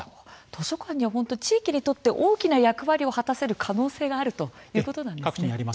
図書館には地域にとって大きな役割を果たせる可能性があるということなんですね。